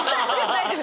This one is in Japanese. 大丈夫！